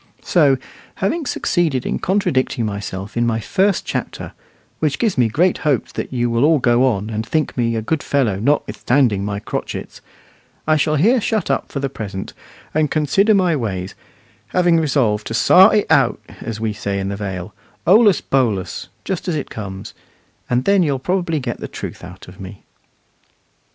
So, having succeeded in contradicting myself in my first chapter (which gives me great hopes that you will all go on, and think me a good fellow notwithstanding my crotchets), I shall here shut up for the present, and consider my ways; having resolved to "sar' it out," as we say in the Vale, "holus bolus" just as it comes, and then you'll probably get the truth out of me.